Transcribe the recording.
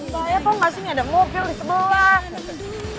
soalnya tau gak sih ini ada mobil di sebelah